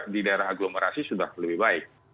di daerah aglomerasi sudah lebih baik